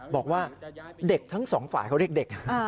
บอกว่าเด็กทั้งสองฝ่ายเขาเรียกเด็ก